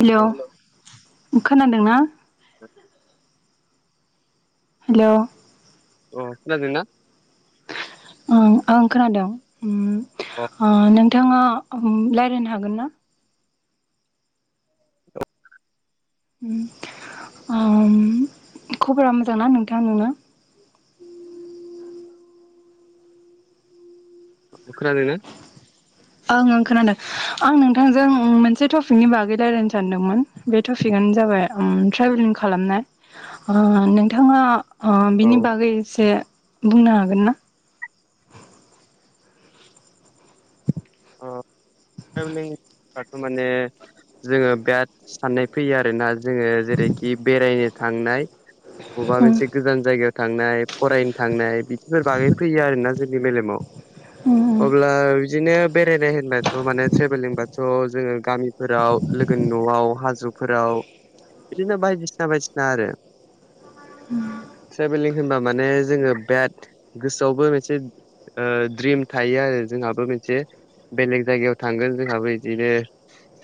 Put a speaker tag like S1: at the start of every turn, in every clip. S1: hello
S2: अ
S1: खोनादोंना
S2: [inaudible]
S1: hello
S2: अ खोनादोंना
S1: ओम आं खोनादों ओ
S2: अ
S1: ओम नोंथाङा रायज्लायनो हागोन ना ओम खबरा मोजां ना नोंथां नोंना
S2: खोनादों ना
S1: ओं ओं खोनादों आं नोंथांजों मोनसे टपिकनि बागै रायज्लायनो सानदोंमोन बे टपिकआनो जाबाय ओम ट्रेभेलिं खालामनाय ओ नोंथाङा अ बिनि
S2: औ
S1: बागै एसे बुंनो हागोन ना
S2: औ टेरेभेलिं [unintelligible] दाथ' माने जोङो बिराद साननाय फैयो आरोना जोो जेरैखि बेरायनो थांनाय मबेबा
S1: उम
S2: मोनसे गोजान जायगायाव थांनाय फरायनो थांनाय बिफोर बागै फैयो आरोना जोंनि मेलेमाव
S1: उम उम
S2: अब्ला बिदिनो बेरायनाय होनबाय थ माने ट्रेभेलिं बाथ' जोङो गामिफोराव लोगोनि न'आव हाजोफोराव बिदिनो बायदिसिना बायदिसिना आरो ट्रेभेलिं होनबा माने जोङो बिराद गोसोआवबो मोनसे ओ द्रिम थायो आरो जोंहाबो मोनसे बेलेग जायगायाव थांगोन जोंहाबो बिदिनो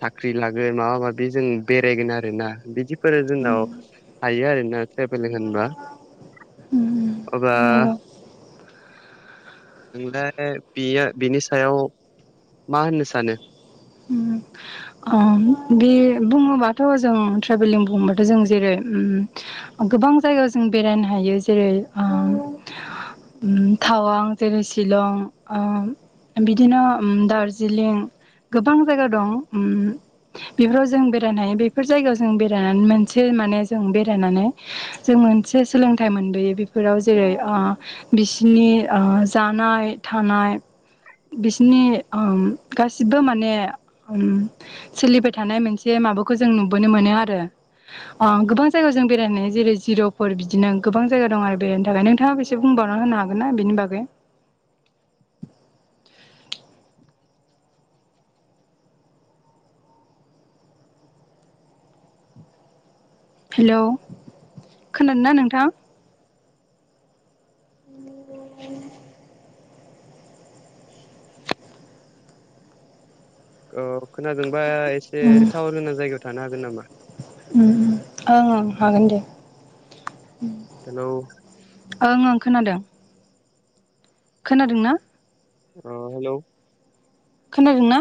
S2: साख्रि लागोन माबा माबि जों बेरायगोन आरोना बिदिफोर जोंनाव हायो आरोना ट्रेभलिं होनबा
S1: उम
S2: अब्ला
S1: नंगौ
S2: नोंलाय बेयो बिनि सायाव मा होननो सानो
S1: अ बे बुङोबाथ' जों ट्रेभेलिं बुङोबाथ' जों जेरै ओम गोबां जायगायाव जों बेरायनो हायो जेरै ओम ओम थावां जेरै सिलं ओम बिदिनो दार्जिलिं गोबां जायगा दं ओ बेफोराव जों बेरायनो हायो बेफोर जायगायाव जों बेरायनानै मोनसे माने जों बेरायनानै जों मोनसे सोलोंथाइ मोनबोयो बेफोराव जेरै आ बिसोरनि ओ जानाय थानाय बिसोरनि ओम गासैबो माने ओम सोलिबाय थानाय मोनसे माबाखौ जों नुबोनो मोनो आरो अ गोबां जायगायाव जों बेरायनाय जेरै जिर' फर बिदिनो गोबां जायगा दं आरो बेरायनो थाखाय नोंथाङा बेसेबां एसे बुंबावना होनो हागोन ना बेनि बागै हेलौ खोनादों ना नोंथां [unintelligible]
S2: औ खोनादोंबा एसे टावार गोनां जायगायाव थानो हागोन नामा
S1: ओं ओं हागोन दे
S2: हेल
S1: ओंओं खोनादों खोनादों ना
S2: अ हेल'
S1: खोनादों ना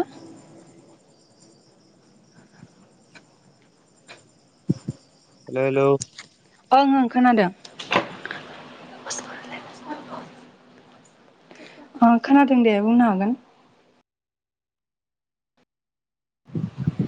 S2: हेल' हेल'
S1: ओं खोनादों ओ खोनादों दे बुंनो हागोन [unintelligible]